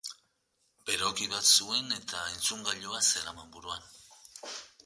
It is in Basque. Beroki bat zuen eta entzungailua zeraman buruan.